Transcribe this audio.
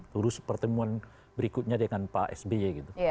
terus pertemuan berikutnya dengan pak sby gitu